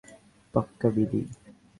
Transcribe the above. পাক্কা, বিলি।